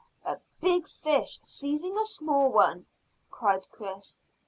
"A big fish seizing a small one," cried Chris.